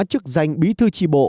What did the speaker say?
chức danh bí thư tri bộ